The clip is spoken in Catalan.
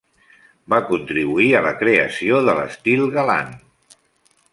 Va contribuir a la creació de l'estil galant.